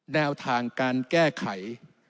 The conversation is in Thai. แนวทางการแก้ไข